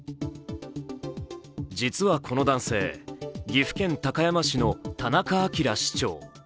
実はこの男性、岐阜県高山市の田中明市長。